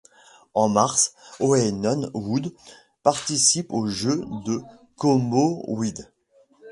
En mars, Oenone Wood participe aux Jeux du Commonwealth.